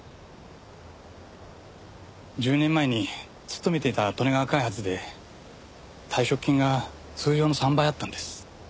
１０年前に勤めていた利根川開発で退職金が通常の３倍あったんです。